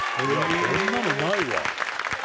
こんなのないわ中学校。